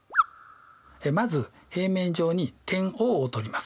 まず平面上に点Ｏを取ります。